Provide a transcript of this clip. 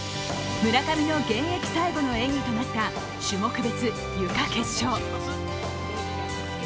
村上の現役最後の演技となる種目別・ゆか決勝。